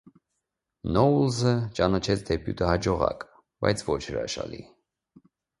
Նոուլզը ճանաչեց դեբյուտը հաջողակ, բայց ոչ հրաշալի։